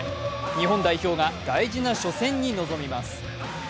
日本代表が大事な初戦に臨みます。